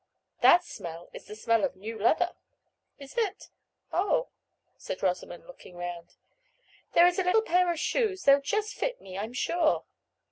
"That smell is the smell of new leather." "Is it? Oh!" said Rosamond, looking round, "there is a pair of little shoes; they'll just fit me, I'm sure."